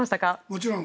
もちろん。